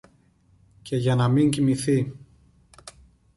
και για να μην κοιμηθεί